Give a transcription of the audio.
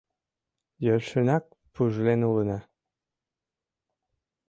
Йӧршынак пужлен улына.